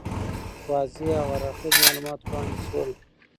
واضح او هر اړخیز معلومات وړاندي سول.